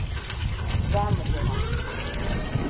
Za mu jira.